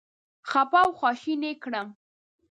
خپه او خواشینی یې کړم.